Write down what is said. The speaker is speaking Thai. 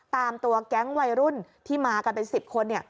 ตามตัวแก๊งวัยรุ่นที่มากันเป็น๑๐คน